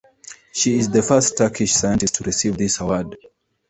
She is the first Turkish scientist to receive this award.